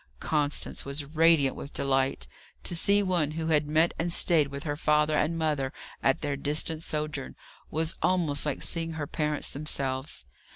Constance was radiant with delight. To see one who had met and stayed with her father and mother at their distant sojourn, was almost like seeing her parents themselves.